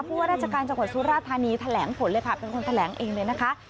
เพราะรับแห้งการจับความสู้ราธารณีแถลงผลเลยค่ะเป็นคนแถลงเองเลยนะคะ